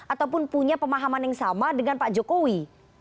ataupun punya pemahaman yang sama dengan pak jokowi